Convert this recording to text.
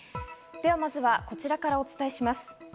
ではまずは、こちらからお伝えします。